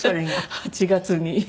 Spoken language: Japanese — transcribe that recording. ８月に。